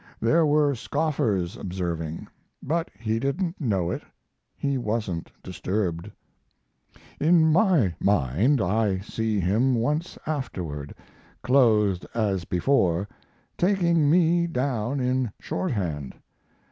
There were scoffers observing, but he didn't know it; he wasn't disturbed. In my mind, I see him once afterward, clothed as before, taking me down in shorthand.